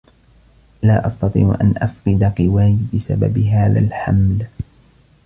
لا أستطيع أن أفقد قواي بسبب هذا الحمل.